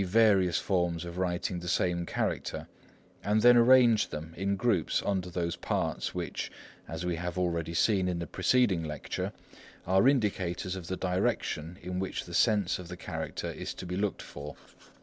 _ various forms of writing the same character, and then arranged them in groups under those parts which, as we have already seen in the preceding Lecture, are indicators of the direction in which the sense of a character is to be looked for.